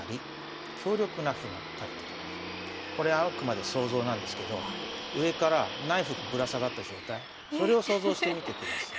これはあくまで想像なんですけど上からナイフがぶら下がった状態それを想像してみてください。